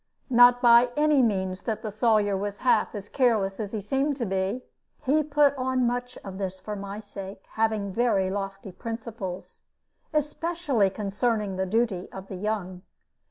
Not by any means that the Sawyer was half as careless as he seemed to be; he put on much of this for my sake, having very lofty principles, especially concerning the duty of the young.